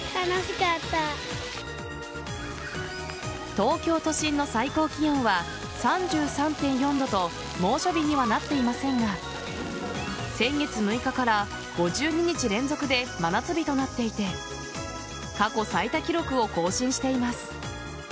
東京都心の最高気温は３３．４度と猛暑日にはなっていませんが先月６日から５２日連続で真夏日となっていて過去最多記録を更新しています。